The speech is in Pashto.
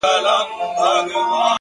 مثبت انسان هیله ژوندۍ ساتي